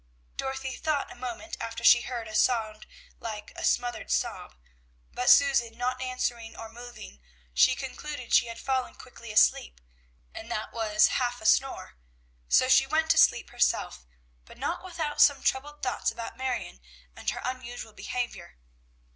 Dorothy thought a moment after she heard a sound like a smothered sob, but Susan not answering or moving, she concluded she had fallen quickly asleep, and that was a half snore; so she went to sleep herself, but not without some troubled thoughts about Marion and her unusual behavior.